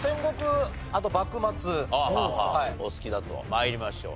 参りましょう。